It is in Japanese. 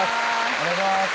お願いします